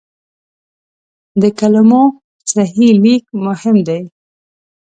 د کلمو صحیح لیک مهم دی.